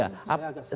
saya agak sedih juga